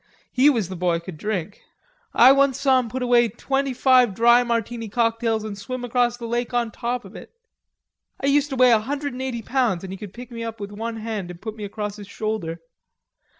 He was the boy could drink. I once saw him put away twenty five dry Martini cocktails an' swim across the lake on top of it.... I used to weigh a hundred and eighty pounds, and he could pick me up with one hand and put me across his shoulder....